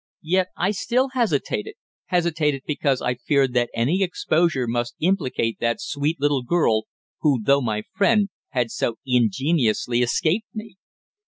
Yet I still hesitated, hesitated because I feared that any exposure must implicate that sweet little girl who, though my friend, had so ingeniously escaped me.